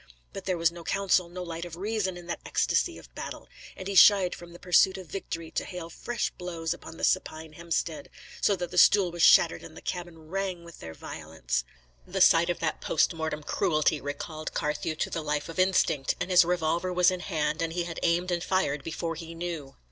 But there was no counsel, no light of reason, in that ecstasy of battle; and he shied from the pursuit of victory to hail fresh blows upon the supine Hemstead, so that the stool was shattered and the cabin rang with their violence. The sight of that post mortem cruelty recalled Carthew to the life of instinct, and his revolver was in hand and he had aimed and fired before he knew.